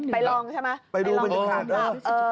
ไปลองใช่ไหมไปลองเป็นสิทธิ์ศาสตร์